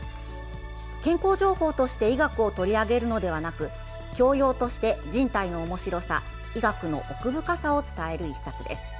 健康情報として医学を取り上げるのではなく教養として人体のおもしろさ医学の奥深さを伝える１冊です。